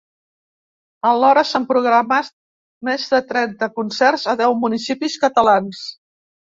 Alhora, s’han programat més de trenta concerts a deu municipis catalans.